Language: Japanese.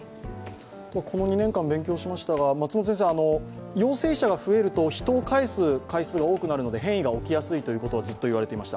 この２年間勉強しましたが陽性者が増えると人を介す回数が増えるので変異が起きやすいということがずっと言われていました。